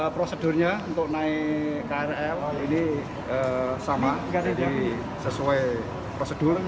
prosedurnya untuk naik krl ini sama sesuai prosedur